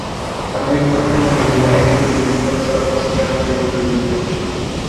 সামাজিক যোগাযোগমাধ্যমে ভুয়া আইডি খুলে পুলিশের সদস্যরা প্রশ্ন কেনাবেচার গ্রুপে ঢুকে পড়ছেন।